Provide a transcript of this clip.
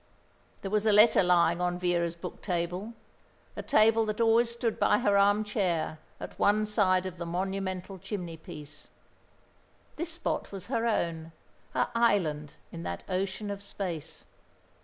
There was a letter lying on Vera's book table, a table that always stood by her armchair at one side of the monumental chimneypiece. This spot was her own, her island in that ocean of space.